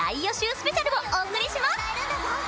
スペシャルをお送りします！